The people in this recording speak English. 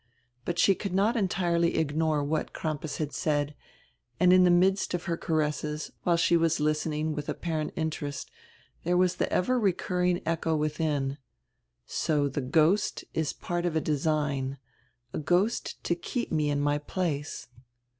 But she could not entirely ignore what Crampas had said, and in die midst of her caresses, while she was listening widi apparent interest, diere was the ever recurring echo within: "So die ghost is part of a design, a ghost to keep me in my place."